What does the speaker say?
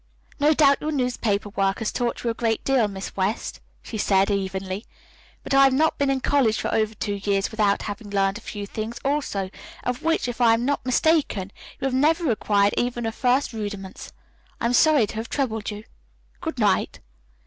"No doubt your newspaper work has taught you a great deal, Miss West," she said evenly, "but I have not been in college for over two years without having learned a few things, also, of which, if I am not mistaken, you have never acquired even the first rudiments. I am sorry to have troubled you. Good night."